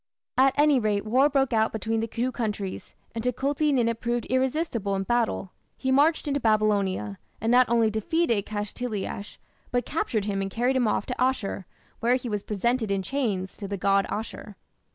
At any rate war broke out between the two countries, and Tukulti Ninip proved irresistible in battle. He marched into Babylonia, and not only defeated Kashtiliash, but captured him and carried him off to Asshur, where he was presented in chains to the god Ashur.